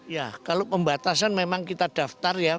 ya kalau pembatasan memang kita daftar ya